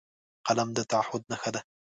قلم د تعهد نښه ده